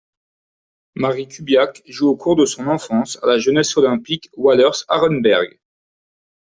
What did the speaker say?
Marie Kubiak joue au cours de son enfance à la Jeunesse Olympique Wallers Arenberg.